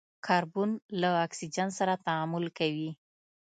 کاربن له اکسیجن سره تعامل کوي.